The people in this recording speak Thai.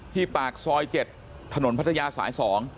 ปากซอย๗ถนนพัทยาสาย๒